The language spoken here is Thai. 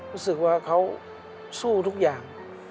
รู้สึกว่าเขาสู้ทุกอย่าง